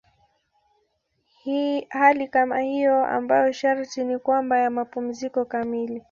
Hali kama hiyo ambayo sharti ni kwamba ya mapumziko kamili.